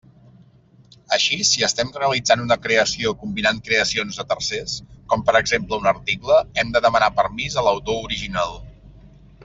Així, si estem realitzant una creació combinant creacions de tercers, com per exemple un article, hem de demanar permís a l'autor original.